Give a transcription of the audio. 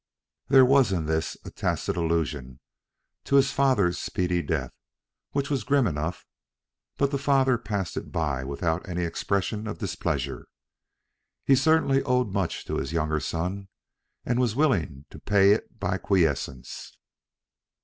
There was in this a tacit allusion to his father's speedy death which was grim enough; but the father passed it by without any expression of displeasure. He certainly owed much to his younger son, and was willing to pay it by quiescence.